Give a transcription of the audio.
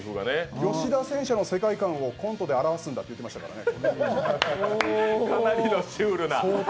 吉田戦車の世界観をお笑いで表現するんだって言ってましたからね。